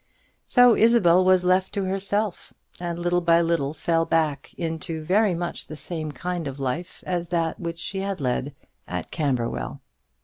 So Isabel was left to herself, and little by little fell back into very much the same kind of life as that which she had led at Camberwell.